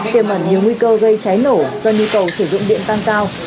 tiêu mẩn nhiều nguy cơ gây cháy nổ do nhu cầu sử dụng điện tăng cao